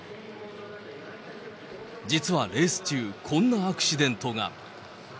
実はレース中、こんなアクシデントが。